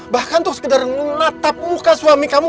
bahkan untuk sekedar menatap muka suami kamu